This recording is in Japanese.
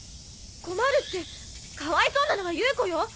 困るってかわいそうなのは夕子よ。